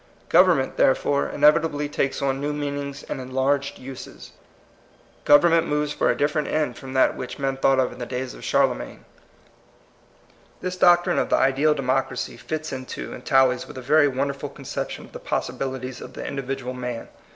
Gov ent, therefore, inevitably takes on new ings and enlarged uses. Government 8 for a different end from that which THE IDEAL DEMOCRACY. 139 men thought of in the days of Charle magne. This doctrine of the ideal democracy fits into and tallies with a very wonder ful conception of the possibilities of the individual man.